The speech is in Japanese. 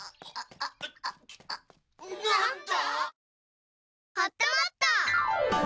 なんだ！？